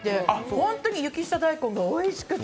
ほんとに雪下大根がおいしくて。